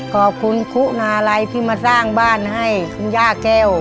ขอบคุณคุณาลัยที่มาสร้างบ้านให้คุณย่าแก้ว